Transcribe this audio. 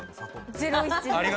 『ゼロイチ』で。